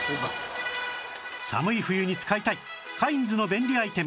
寒い冬に使いたいカインズの便利アイテム